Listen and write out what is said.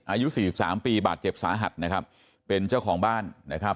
อายุสี่สิบสามปีบาดเจ็บสาหัสนะครับเป็นเจ้าของบ้านนะครับ